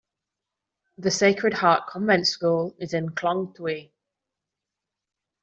The Sacred Heart Convent School is in Khlong Toei.